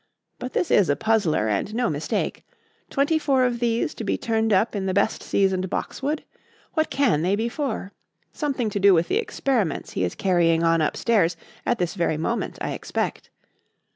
But this is a puzzler, and no mistake. Twenty four of these to be turned up in the best seasoned boxwood! What can they be for? Something to do with the experiments he is carrying on upstairs at this very moment, I expect."